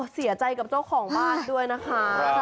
เสียใจกับเจ้าของบ้านด้วยนะคะ